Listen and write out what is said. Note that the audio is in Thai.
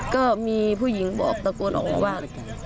ก็มีผู้หญิงบอกตะโกนออกมาว่า